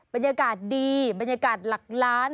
บรรยากาศดีบรรยากาศหลักล้าน